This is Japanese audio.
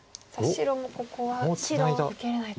白もここは受けれないと。